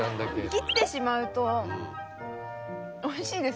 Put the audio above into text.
切ってしまうとおいしいですね。